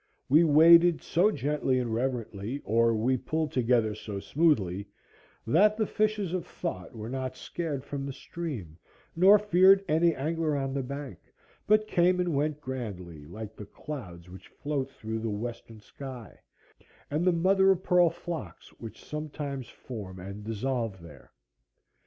We waded so gently and reverently, or we pulled together so smoothly, that the fishes of thought were not scared from the stream, nor feared any angler on the bank, but came and went grandly, like the clouds which float through the western sky, and the mother o' pearl flocks which sometimes form and dissolve there.